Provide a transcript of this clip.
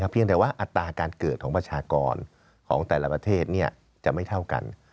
เพียงแต่ว่าอัตราการเกิดของประชากรของแต่ละประเทศจะไม่เท่ากัน